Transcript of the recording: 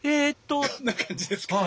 こんな感じですかね。